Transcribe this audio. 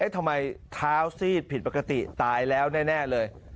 ทำไมเท้าซีดผิดปกติตายแล้วแน่เลย